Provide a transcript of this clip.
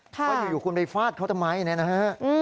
ว่าอยู่คุณไปฟาดเขาทำไมเนี่ยนะฮะ